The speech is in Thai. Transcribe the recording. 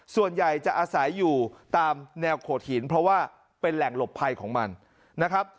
ส่วนใหญ่จะอาศัยอยู่ตามแนวโขดหินเพราะว่าเป็นแหล่งหลบภัยของมันนะครับ